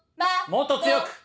もっと強く。